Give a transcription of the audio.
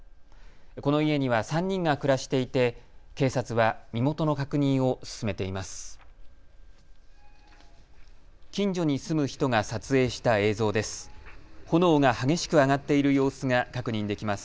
この家には３人が暮らしていて警察は身元の確認を進めています。